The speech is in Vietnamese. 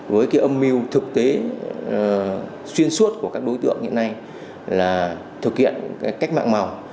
với cái âm mưu thực tế xuyên suốt của các đối tượng hiện nay là thực hiện cách mạng màu